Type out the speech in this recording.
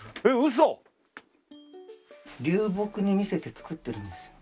流木に見せて作ってるんですよ。